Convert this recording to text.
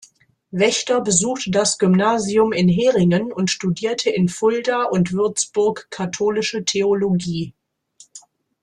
Wächter besuchte das Gymnasium in Heringen und studierte in Fulda und Würzburg Katholische Theologie.